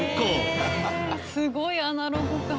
すごいアナログ感。